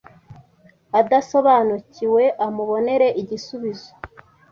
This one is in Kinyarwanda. adasobanukiwe amubonere igisubizo